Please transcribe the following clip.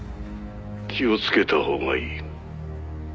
「気をつけたほうがいい」